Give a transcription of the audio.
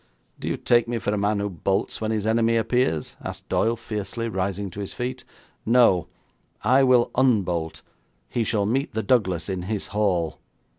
'Do you take me for a man who bolts when his enemy appears?' asked Doyle fiercely, rising to his feet. 'No, I will unbolt. He shall meet the Douglas in his hall!'